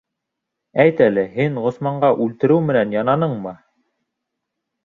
Әйт әле, һин Ғосманға үлтереү менән янаныңмы?